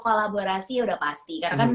kolaborasi udah pasti karena kan